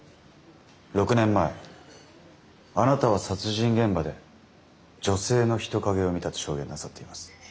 ６年前あなたは殺人現場で女性の人影を見たと証言なさっています。